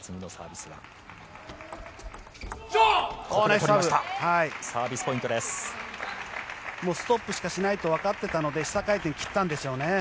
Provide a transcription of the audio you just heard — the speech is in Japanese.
ストップしかしないとわかっていたので下回転切ったんでしょうね。